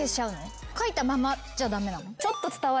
書いたままじゃ駄目なの？